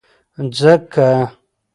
ځکه